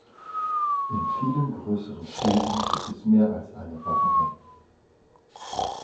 In vielen größeren Städten gibt es mehr als einen Waffenring.